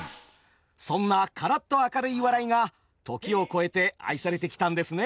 そんなカラッと明るい笑いが時を超えて愛されてきたんですね。